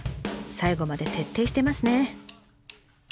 最後まで徹底してますね。